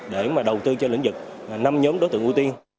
để mà đầu tư cho lĩnh vực năm nhóm đối tượng ưu tiên